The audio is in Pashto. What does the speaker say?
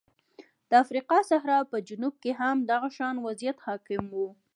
د افریقا صحرا په جنوب کې هم دغه شان وضعیت حاکم و.